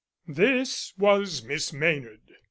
This was Miss Maynard.